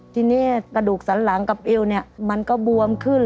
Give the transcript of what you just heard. ทีนี้กระดูกสันหลังกับเอวเนี่ยมันก็บวมขึ้น